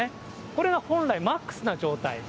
これが本来マックスな状態。